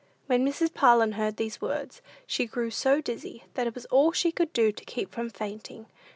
When Mrs. Parlin heard these words, she grew so dizzy, that it was all she could do to keep from fainting.